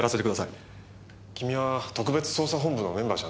君は特別捜査本部のメンバーじゃない。